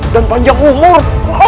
dan panjang umur